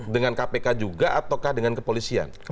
dengan kpk juga ataukah dengan kepolisian